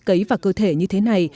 cấy vào cơ thể như thế này